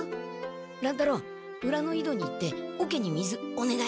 乱太郎うらのいどに行っておけに水おねがい。